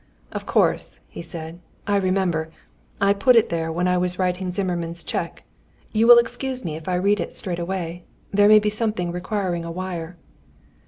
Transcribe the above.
"Of course," he said. "I remember. I put it there when I was writing Zimmermann's cheque. You will excuse me if I read it straight away? There may be something requiring a wire."